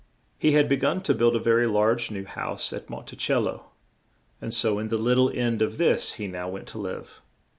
] He had be gun to build a ve ry large new house at Mon ti cel lo, and so in the lit tle end of this he now went to live.